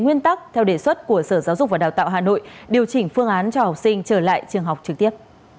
nguyên tắc theo đề xuất của sở giáo dục và đào tạo hà nội điều chỉnh phương án cho học sinh trở lại trường học trực tiếp